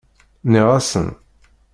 Nniɣ-asen!